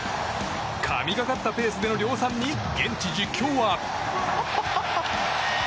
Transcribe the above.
神がかったペースでの量産に現地実況は。